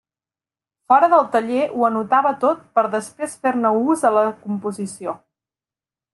Fora del taller ho anotava tot per després fer-ne ús a la composició.